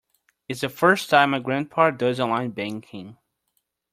It's the first time my grandpa does online banking.